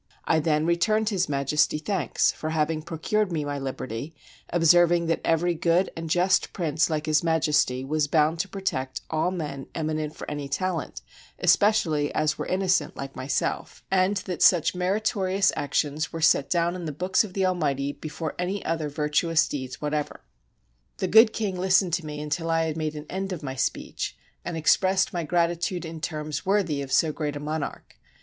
I then returned His IMajesty thanks for having procured me my liberty, observing that every good and just prince like His Majesty was bound to protect all men eminent for any talent, espe cially such as were innocent like myself; and that such meritorious actions were set down in the books of the Almighty before any other virtuous deeds whatever. The good king listened to me until I had made an end 227 FRANCE of my speech, and expressed my gratitude in terms wor thy of so great a monarch.